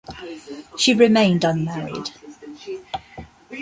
She remained unmarried.